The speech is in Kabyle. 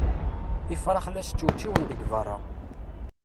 Ifrax la ččewčiwen deg berra.